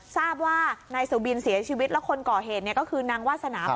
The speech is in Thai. ทราบว่านายสุบินเสียชีวิตและคนก่อเหตุ